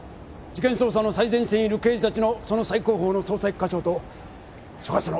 事件捜査の最前線にいる刑事たちのその最高峰の捜査一課長と所轄のヒラ刑事ですから。